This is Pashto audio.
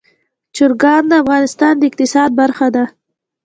چرګان د افغانستان د اقتصاد برخه ده.